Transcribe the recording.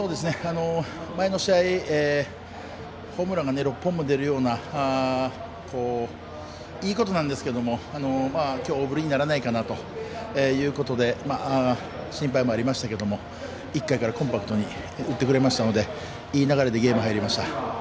前の試合ホームランが６本も出るようないいことなんですけどきょう大振りにならないかなということで心配もありましたけれども１回からコンパクトに打ってくれましたのでいい流れでゲーム入れました。